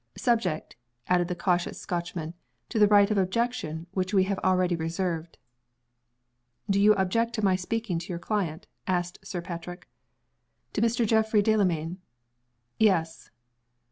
Subject," added the cautious Scotchman, "to the right of objection which we have already reserved." "Do you object to my speaking to your client?" asked Sir Patrick. "To Mr. Geoffrey Delamayn?" "Yes."